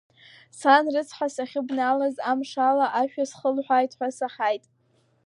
Сан рыцҳа сахьыбналаз амшала ашәа схылҳәааит ҳәа саҳаит.